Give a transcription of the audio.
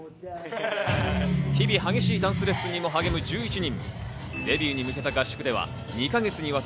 日々激しいダンスレッスンにも励む１１人。